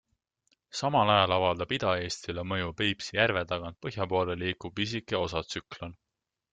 Samal ajal avaldab Ida-Eestile mõju Peipsi järve tagant põhja poole liikuv pisike osatsüklon.